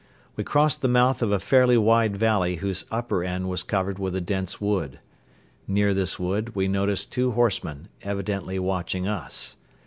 We crossed the mouth of a fairly wide valley whose upper end was covered with a dense wood. Near this wood we noticed two horsemen, evidently watching us.